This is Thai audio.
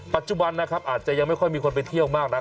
ปัจจุบันนะครับอาจจะยังไม่ค่อยมีคนไปเที่ยวมากนัก